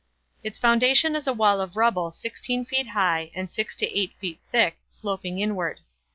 Its foundation is a wall of rubble sixteen feet high and six to eight feet thick, sloping inward.